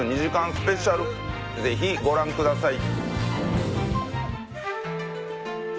スペシャルぜひご覧ください。